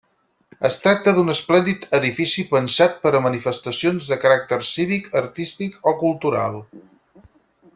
Es tracta d’un esplèndid edifici pensat per a manifestacions de caràcter cívic, artístic o cultural.